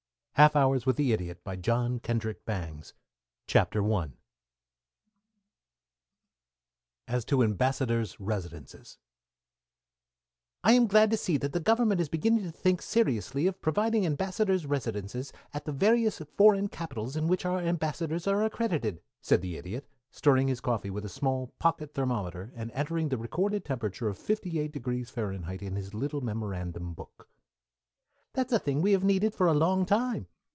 TELEPHONIC AID SOCIETY 119 VIII FOR TIRED BUSINESS MEN 137 I AS TO AMBASSADORS' RESIDENCES "I am glad to see that the government is beginning to think seriously of providing Ambassadors' residences at the various foreign capitals to which our Ambassadors are accredited," said the Idiot, stirring his coffee with a small pocket thermometer, and entering the recorded temperature of 58 degrees Fahrenheit in his little memorandum book. "That's a thing we have needed for a long time.